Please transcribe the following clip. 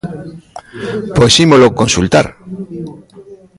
Pois ímolo consultar.